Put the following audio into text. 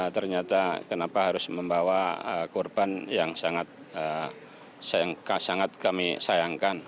ternyata kenapa harus membawa korban yang sangat kami sayangkan